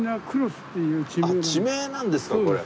あっ地名なんですかこれ。